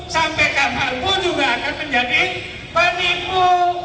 sampai kapanpun juga akan menjadi penipu